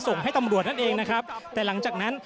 ส่งให้ตำรวจนั่นเองนะครับแต่หลังจากนั้น